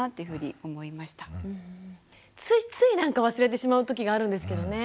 ついついなんか忘れてしまうときがあるんですけどね。